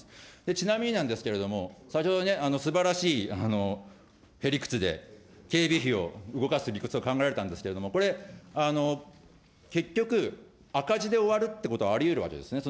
ちなみになんですけれども、先ほどね、すばらしいへ理屈で警備費を動かす理屈を考えられたんですけれども、これ、結局、赤字で終わるっていうことはありえるわけですよね。